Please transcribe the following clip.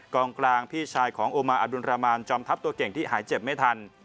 กลางกลางพี่ชายของโอมาอดุลรามานจอมทัพตัวเก่งที่หายเจ็บไม่ทัน